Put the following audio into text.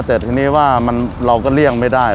แต่ทีนี้ว่าเราก็เลี่ยงไม่ได้